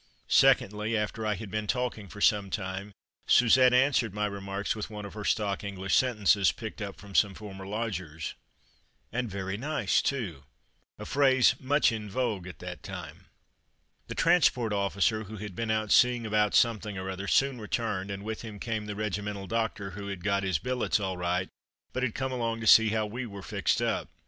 Secondly, after I had been talking for some time, Suzette answered my remarks with one of her stock English sentences, picked up from some former lodgers, "And very nice too," a phrase much in vogue at that time. The transport officer, who had been out seeing about something or other, soon returned, and with him came the regimental doctor, who had got his billets all right, but had come along to see how we were fixed up.